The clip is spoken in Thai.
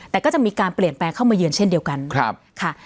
แต่ก็จะมีการเปลี่ยนแปลงเข้ามาเยือนเช่นเดียวกันค่ะ